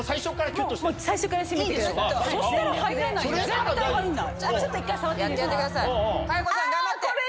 絶対入んない。